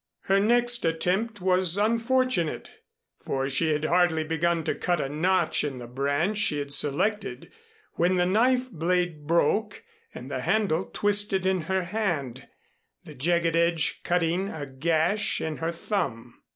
Her next attempt was unfortunate; for she had hardly begun to cut a notch in the branch she had selected, when the knife blade broke and the handle twisted in her hand, the jagged edge cutting a gash in her thumb.